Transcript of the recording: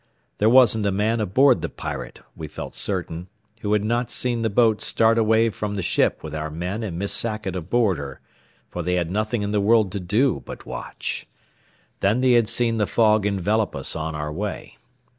There wasn't a man aboard the Pirate, we felt certain, who had not seen the boat start away from the ship with our men and Miss Sackett aboard her, for they had nothing in the world to do but watch. Then they had seen the fog envelop us on our way.